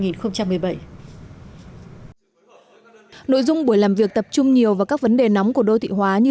nội dung buổi làm việc tập trung nhiều vào các vấn đề nóng của đô thị hóa như